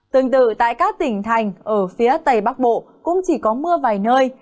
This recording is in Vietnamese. tương tự tại các tỉnh thành ở phía tây bắc bộ cũng chỉ có mưa vài nơi